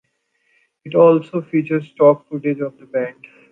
It also features stock footage of the band.